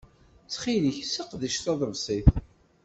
Ttxil-k, seqdec tadebsit!